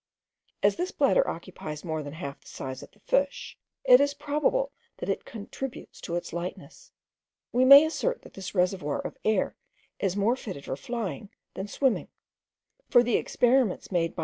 As this bladder occupies more than half the size of the fish, it is probable that it contributes to its lightness. We may assert that this reservoir of air is more fitted for flying than swimming; for the experiments made by M.